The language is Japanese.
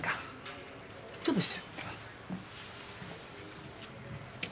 ちょっと失礼。